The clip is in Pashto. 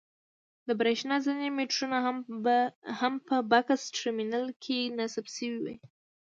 د برېښنا ځینې مېټرونه هم په بکس ټرمینل کې نصب شوي وي.